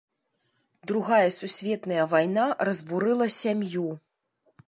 Другая сусветная вайна разбурыла сям'ю.